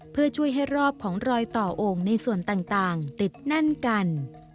เพื่อช่วยให้รอบของรอยต่อโอ่งในส่วนต่างติดแน่นกัน